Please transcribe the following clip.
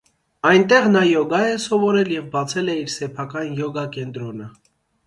Այնտեղ նա յոգա է սովորել և բացել է իր սեփական յոգա֊կենտրոնը։